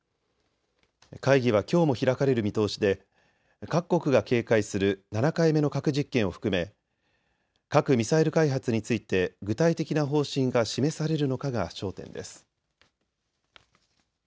会議はきょうも開かれる見通しで各国が警戒する７回目の核実験を含め核・ミサイル開発について具体的な方針が示されるのかが焦点です。